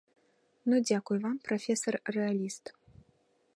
Ну дзякуй вам, прафесар рэаліст.